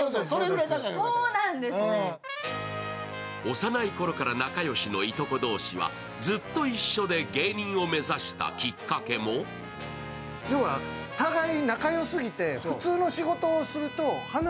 幼いころから仲よしのいとこ同士はずっと一緒で芸人を目指したきっかけもちょっと待って、すごい！